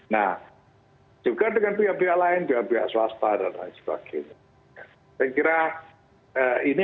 nah juga dengan pihak pihak lain pihak pihak swasta dan lain sebagainya